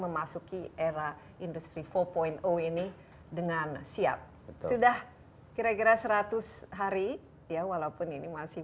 memasuki era industri empat ini dengan siap sudah kira kira seratus hari ya walaupun ini masih